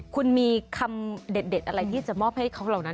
คุณมีคำเด็ดอะไรที่จะมอบให้เขาเหล่านั้น